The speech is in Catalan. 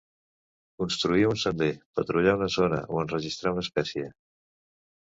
"construir un sender", "patrullar una zona" o "enregistrar una espècie".